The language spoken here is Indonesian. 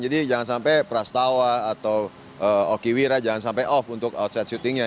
jadi jangan sampai prastawa atau okiwira jangan sampai off untuk outside shooting nya